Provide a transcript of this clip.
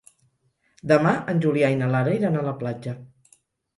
Demà en Julià i na Lara iran a la platja.